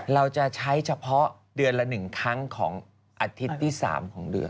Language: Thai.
เราจะใช้เฉพาะเดือนละ๑ครั้งของอาทิตย์ที่๓ของเดือน